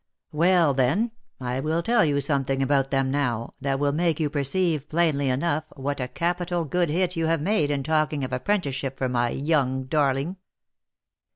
" Well, then, I will tell you something about them now, that will make you perceive plainly enough what a capital good hit you have made in talking of apprenticeship for my young darling.